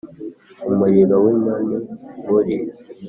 umuriro w'inyoni muri